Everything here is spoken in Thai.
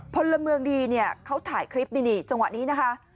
พลเมืองดีเนี่ยเขาถ่ายคลิปนี่จังหวะนี้นะคะ